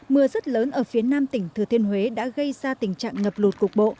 mưa rất lớn ở phía nam tỉnh thừa thiên huế đã gây ra tình trạng ngập lụt cục bộ